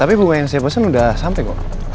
tapi bunga yang saya pesen udah sampe kok